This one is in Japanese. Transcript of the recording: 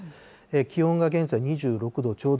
気温が現在２６度ちょうど。